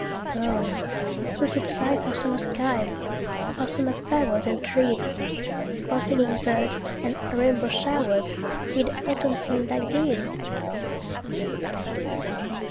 Oh, who could sigh for summer skies, For summer flowers and trees, For singing birds and rainbow showers, 'Mid autumn scenes like these?